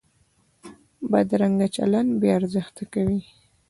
بدرنګه چلند بې ارزښته کوي